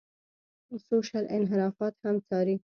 سوشل انحرافات هم څاري.